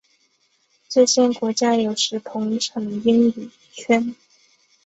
这些国家有时统称英语圈。